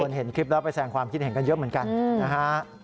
เห็นคลิปแล้วไปแสงความคิดเห็นกันเยอะเหมือนกันนะฮะ